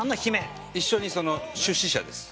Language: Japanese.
一緒にその出資者です。